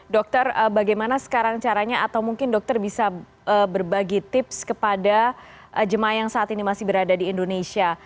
dokter bagaimana sekarang caranya atau mungkin dokter bisa berbagi tips kepada jemaah yang saat ini masih berada di indonesia